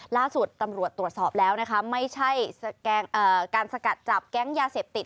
ล่าสุดตำรวจตรวจสอบแล้วนะคะไม่ใช่การสกัดจับแก๊งยาเสพติด